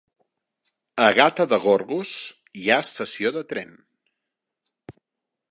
A Gata de Gorgos hi ha estació de tren?